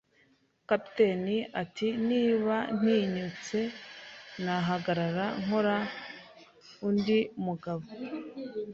Kapiteni ati: "Niba ntinyutse, nahagarara ntora undi mugabo."